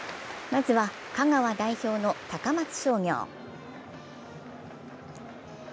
まずは香川代表の高松商業。